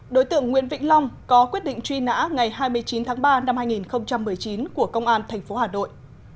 đối tượng nguyễn vĩnh long có quyết định truy nã ngày hai mươi chín tháng ba năm hai nghìn một mươi chín của công an tp hà nội